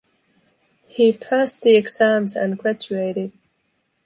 He passed the exams and graduated.